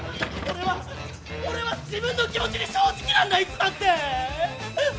俺は俺は自分の気持ちに正直なんだいつだって！